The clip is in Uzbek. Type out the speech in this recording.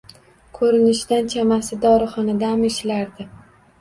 Ko’rinishidan, chamasi, dorixonadami, ishlardi.